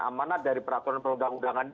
amanat dari peraturan perundang undangan